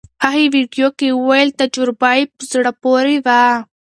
هغې ویډیو کې وویل تجربه یې په زړه پورې وه.